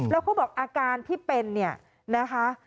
แล้วเขาบอกอาการที่เป็นเนี่ยนะคะ